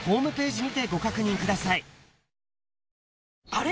あれ？